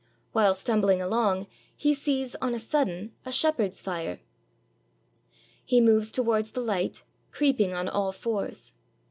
While stumbling along, he sees on a sudden a shepherd's fire. He moves towards the light, creeping on all fours.